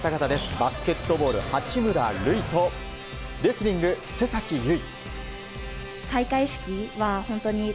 バスケットボール、八村塁とレスリング、須崎優衣。